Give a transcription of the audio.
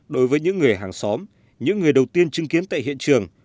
đối với những người hàng xóm những người đầu tiên chứng kiến tại hiện trường